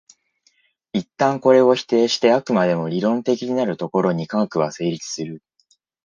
一旦これを否定して飽くまでも理論的になるところに科学は成立する。